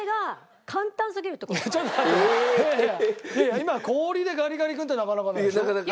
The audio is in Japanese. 今氷でガリガリ君ってなかなかないでしょ？